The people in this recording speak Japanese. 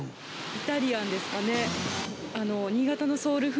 イタリアンですかね。